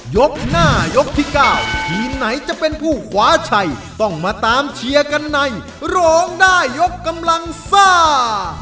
ยกหน้ายกที่๙ทีมไหนจะเป็นผู้ขวาชัยต้องมาตามเชียร์กันในร้องได้ยกกำลังซ่า